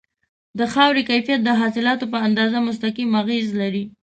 د خاورې کیفیت د حاصلاتو په اندازه مستقیم اغیز لري.